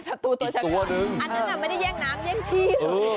อันนั้นน่ะไม่ได้แย่งน้ำแย่งที่